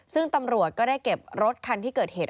ซึ่งตำรวจก็ได้เก็บรถคันที่เกิดเหตุ